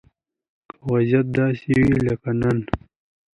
که وضيعت داسې وي لکه نن